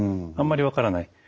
あんまり分からない。